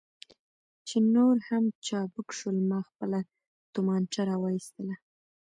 چې نور هم چابک شول، ما خپله تومانچه را وایستل.